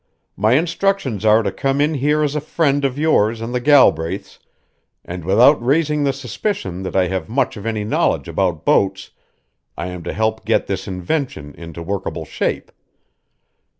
My instructions are to come in here as a friend of yours and the Galbraiths, and without raising the suspicion that I have much of any knowledge about boats, I am to help get this invention into workable shape.